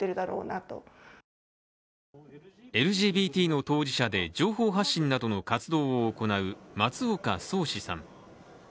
ＬＧＢＴの当事者で情報発信などの活動を行う松岡宗嗣さん。